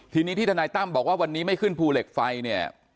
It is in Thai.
ทีนี้ที่ทนายตั้มบอกว่าวันนี้ไม่ขึ้นภูเหล็กไฟเนี่ย